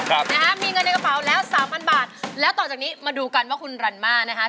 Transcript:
ครับนะฮะมีเงินในกระเป๋าแล้วสามพันบาทแล้วต่อจากนี้มาดูกันว่าคุณรันมานะคะ